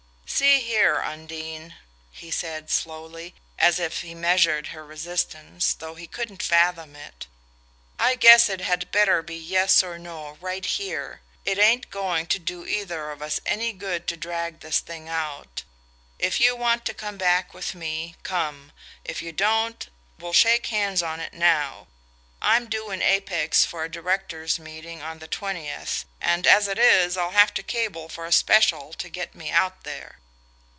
"See here, Undine," he said slowly, as if he measured her resistance though he couldn't fathom it, "I guess it had better be yes or no right here. It ain't going to do either of us any good to drag this thing out. If you want to come back to me, come if you don't, we'll shake hands on it now. I'm due in Apex for a directors' meeting on the twentieth, and as it is I'll have to cable for a special to get me out there.